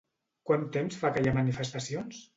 Quant temps fa que hi ha manifestacions?